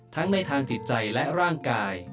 ทั้งในทางจิตใจและร่างกาย